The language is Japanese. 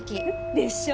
でしょ？